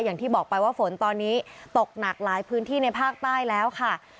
อย่างที่บอกไปว่าฝนตอนนี้ตกหนักหลายพื้นที่ในภาคใต้แล้วค่ะ